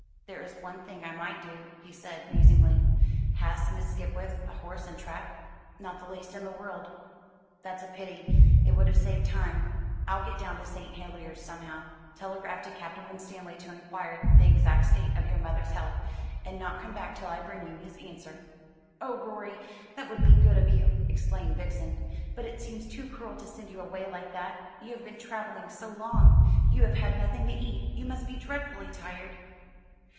"There is one thing I might do," he said, musingly. "Has Miss Skipwith a horse and trap?" "Not the least in the world." "That's a pity; it would have saved time. I'll get down to St. Helier's somehow, telegraph to Captain Winstanley to inquire the exact state of your mother's health, and not come back till I bring you his answer." "Oh, Rorie, that would be good of you!" exclaimed Vixen. "But it seems too cruel to send you away like that; you have been travelling so long. You have had nothing to eat. You must be dreadfully tired."